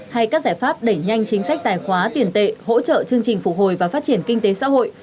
hay các giải pháp đẩy nhanh chính sách tài khoá tiền tệ hỗ trợ chương trình phục hồi và phát triển kinh tế xã hội